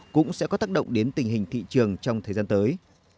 cũng sẽ có tác động đến tình hình thị trường trong thời gian tới